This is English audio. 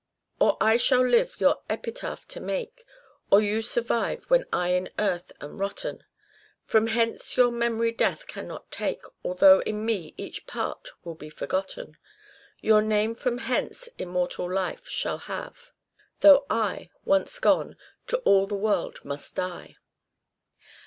" Or I shall live your epitaph to make, Or you survive when I in earth am rotten, From hence your memory death cannot take, Although in me each part will be forgotten. Your name from hence immortal life shall have, Though I, once gone, to all the world must die."